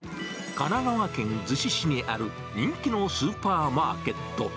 神奈川県逗子市にある人気のスーパーマーケット。